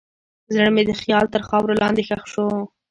زړه مې د خیال تر خاورو لاندې ښخ شو.